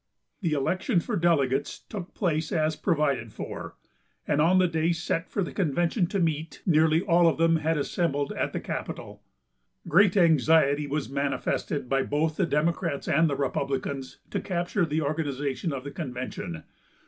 The election for delegates took place as provided for, and on the day set for the convention to meet, nearly all of them had assembled at the capital. Great anxiety was manifested by both the Democrats and the Republicans to capture the organization of the convention.